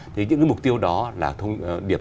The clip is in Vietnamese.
thì những mục tiêu đó là thông điệp